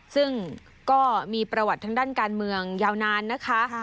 ซึ่งก็มีประวัติทางด้านการเมืองยาวนานนะคะ